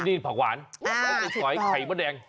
ดีผักหวานสอยไข่มดแดง